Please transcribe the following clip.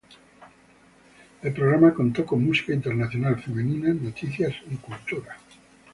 El programa contó con música internacional femenina, noticias y cultura.